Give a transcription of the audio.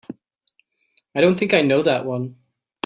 I don't think I know that one.